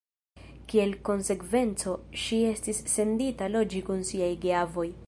Kiel konsekvenco, ŝi estis sendita loĝi kun siaj geavoj.